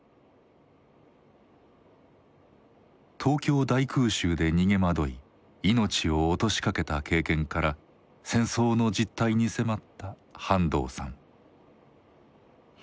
東京大空襲で逃げ惑い命を落としかけた経験から戦争の実態に迫った半藤さん。